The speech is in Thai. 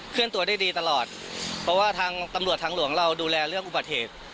ตัวได้ดีตลอดเพราะว่าทางตำรวจทางหลวงเราดูแลเรื่องอุบัติเหตุ